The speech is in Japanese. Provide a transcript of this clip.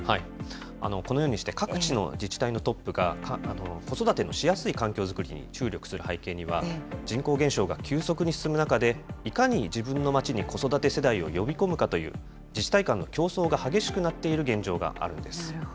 このようにして、各地の自治体のトップが子育てのしやすい環境作りに注力する背景には、人口減少が急速に進む中で、いかに自分の町に子育て世代を呼び込むかという自治体間の競争が激しくなっている現状があるんです。